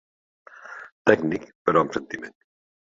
Tècnic, però amb sentiment.